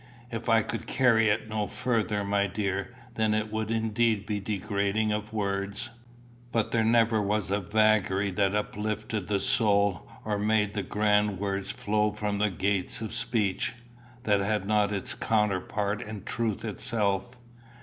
"If I could carry it no further, my dear, then it would indeed be a degrading of words. But there never was a vagary that uplifted the soul, or made the grand words flow from the gates of speech, that had not its counterpart in truth itself.